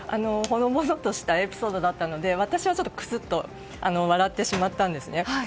ほのぼのとしたエピソードだったので私はくすっと笑ってしまったんですね。